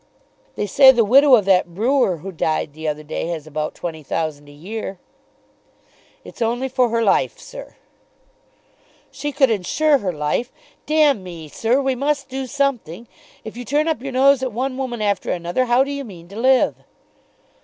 "They say the widow of that brewer who died the other day has about twenty thousand a year." "It's only for her life, sir." "She could insure her life. D me, sir, we must do something. If you turn up your nose at one woman after another how do you mean to live?"